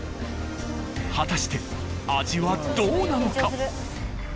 果たして味はどうなのか？